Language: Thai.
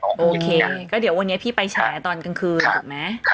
โอเคก็เดี๋ยววันนี้พี่ไปแฉตอนกลางคืนถูกไหม